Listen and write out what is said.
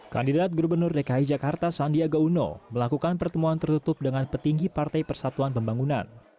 kandidat gubernur dki jakarta sandiaga uno melakukan pertemuan tertutup dengan petinggi partai persatuan pembangunan